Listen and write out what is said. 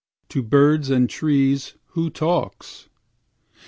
To birds and trees who talks?